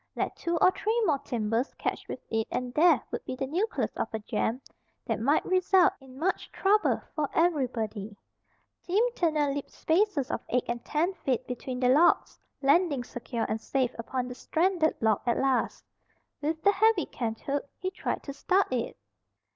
Let two or three more timbers catch with it and there would be the nucleus of a jam that might result in much trouble for everybody. Tim Turner leaped spaces of eight and ten feet between the logs, landing secure and safe upon the stranded log at last. With the heavy canthook he tried to start it.